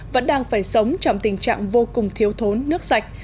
vẫn đang phải sống trong tình trạng vô cùng thiếu thốn nước sạch